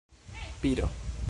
piro